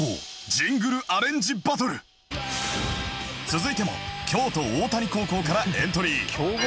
続いても京都大谷高校からエントリー